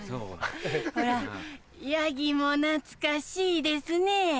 ほらヤギも懐かしいですねぇ。